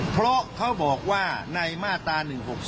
เพราะเขาบอกว่าในมาตรา๑๖๒